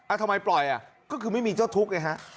ทำไมปล่อยอ่ะก็คือไม่มีเจ้าทุกข์ไงฮะ